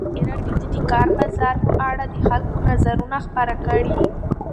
ازادي راډیو د د کار بازار په اړه د خلکو نظرونه خپاره کړي.